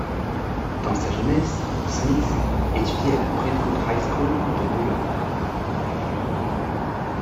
Dans sa jeunesse, Smith, étudie à la Brentwood High School de New York.